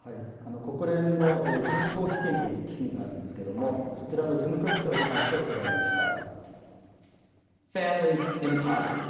国連の人口基金という基金があるんですけどもそちらの事務局長に話を伺いました。